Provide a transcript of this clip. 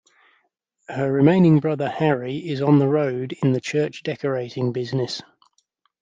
Her remaining brother, Harry, is on the road "in the church decorating business".